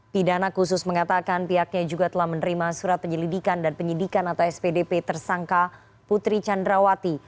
pidana khusus mengatakan pihaknya juga telah menerima surat penyelidikan dan penyidikan atau spdp tersangka putri candrawati